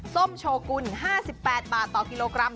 ส้มโชกุล๕๘บาทต่อกิโลกรัม